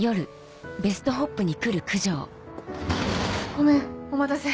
ごめんお待たせ。